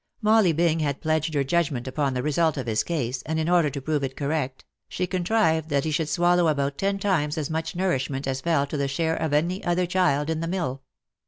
Molly Bing had pledged her judgment upon the result of his case, and in order to prove it correct, she contrived that he should swallow about ten times as much nourishment as fell to the share of any other child in the mill.